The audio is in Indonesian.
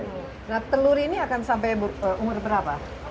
nah telur ini akan sampai umur berapa